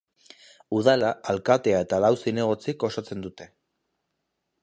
Udala alkatea eta lau zinegotzik osatzen dute.